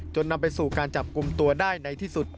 นำไปสู่การจับกลุ่มตัวได้ในที่สุด